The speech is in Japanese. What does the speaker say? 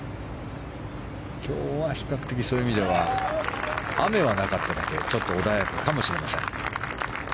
今日は比較的、そういう意味では雨がなかっただけちょっと穏やかかもしれません。